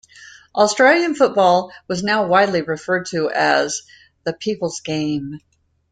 Australian football was now widely referred to as "the people's game".